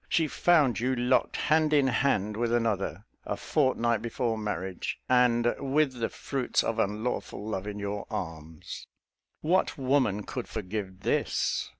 She found you locked hand in hand with another, a fortnight before marriage, and with the fruits of unlawful love in your arms. What woman could forgive this?